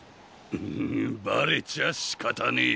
ヌググバレちゃしかたねえ。